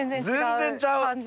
全然ちゃう！